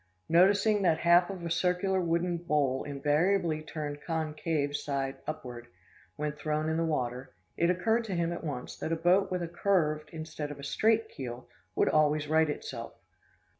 Noticing that the half of a circular wooden bowl invariably turned concave side upward, when thrown in the water, it occurred to him at once that a boat with a curved instead of straight keel would always right itself.